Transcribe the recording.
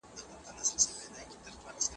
ښوونکی زدهکوونکي مثبت فکر کولو ته هڅوي.